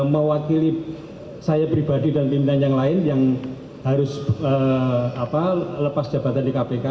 mewakili saya pribadi dan pimpinan yang lain yang harus lepas jabatan di kpk